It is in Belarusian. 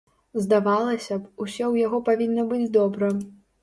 Здавалася б, усё ў яго павінна быць добра.